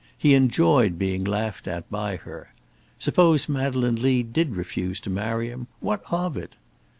He enjoyed being laughed at by her. Suppose Madeleine Lee did refuse to marry him! What of it?